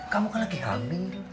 kamu kan lagi hamil